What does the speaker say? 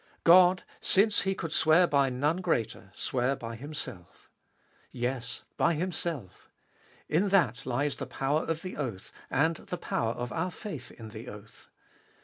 God, since He could swear by none greater, sware by Himself. Yes. By Himself ! in that lies the power of the oath, and the power of our faith in our oath.